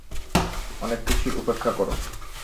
অনেককিছুই উপেক্ষা করো।